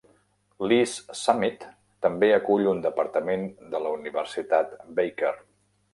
Lee's Summit també acull un departament de la universitat Baker.